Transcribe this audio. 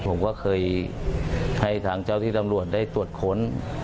ผมก็เคยให้ทางเจ้าที่ตำรวจได้ตรวจค้น